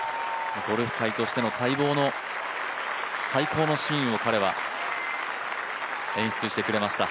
ゴルフ界としての待望の、最高のシーンを彼は演出してくれました。